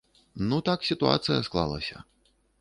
Ну так сітуацыя склалася.